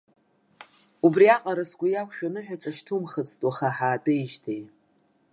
Убри аҟара сгәы иақәшәо ныҳәаҿа шьҭумхыцт уаха ҳаатәеижьҭеи.